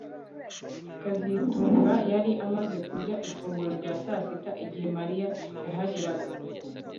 kazitunga yari amaze kurya ifunguro rya sasita igihe Mariya yahageraga